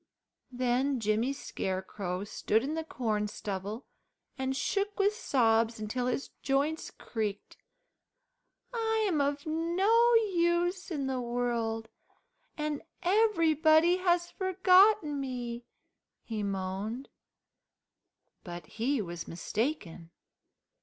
Then Jimmy Scarecrow stood in the corn stubble and shook with sobs until his joints creaked. "I am of no use in the world, and everybody has forgotten me," he moaned. But he was mistaken.